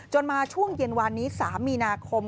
มาช่วงเย็นวานนี้๓มีนาคม